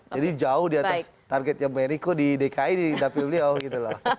jadi jauh di atas targetnya meriko di dki di dapil beliau gitu loh